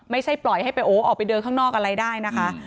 ไม่ใช่ปล่อยให้ไปโอออกไปเดินข้างนอกอะไรได้นะคะ